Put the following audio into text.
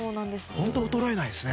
本当、衰えないですよね